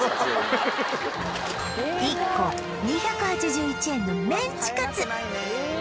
１個２８１円のメンチカツ